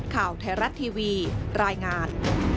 ข่าวไทยรัฐทีวีรายงาน